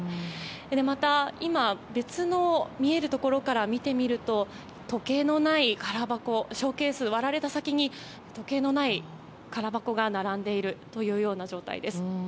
また、別の見えるところから見てみると時計のない空箱ショーケースが割られた先に並んでいるという状態です。